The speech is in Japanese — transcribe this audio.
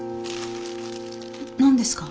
何ですか？